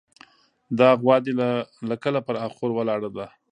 دا غوا دې له کله پر اخور ولاړه ده.